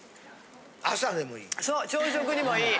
朝でもいい。